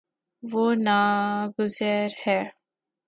وہ نا گزیر ہے